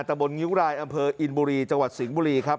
ตะบนงิ้วรายอำเภออินบุรีจังหวัดสิงห์บุรีครับ